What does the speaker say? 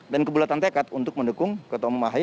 dan kebulatan tekat untuk mendukung ketum ahy